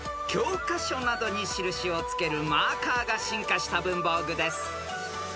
［教科書などに印を付けるマーカーが進化した文房具です］